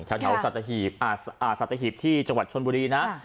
ชาวเท้าสัตตาหีบอ่าอ่าสัตตาหีบที่จังหวัดชนบุรีนะค่ะ